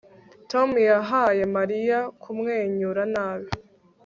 Tom yahaye Mariya kumwenyura nabi